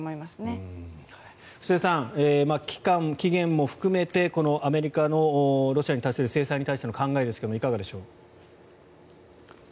布施さん期間、期限も含めてアメリカのロシアに対する制裁に対しての考えですがいかがでしょうか。